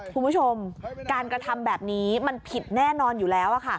คุณผู้ชมการกระทำแบบนี้มันผิดแน่นอนอยู่แล้ว